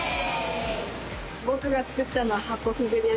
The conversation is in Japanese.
僕が作ったのはハコフグです。